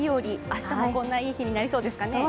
明日もこんないい日になりそうですかね？